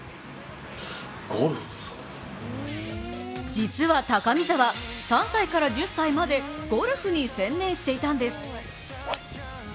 実は高見澤、３歳から１０歳までゴルフに専念していたんです。